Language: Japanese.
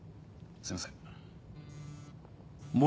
すみません。